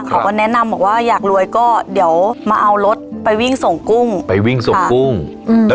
เขาก็แนะนำบอกว่าอยากรวยก็เดี๋ยวมาเอารถไปวิ่งส่งกุ้งไปวิ่งส่งกุ้งอืม